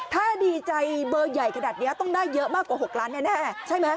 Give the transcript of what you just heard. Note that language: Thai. ถ้าดีใจเบอร์ใหญ่ขนาดนี้ต้องได้เยอะมากกว่า๖ล้านแน่ใช่ไหม